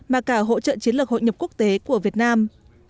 mà cả hỗ trợ chiến lược hội nhập quốc tế của việt nam